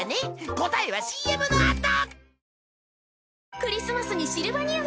答えはＣＭのあと。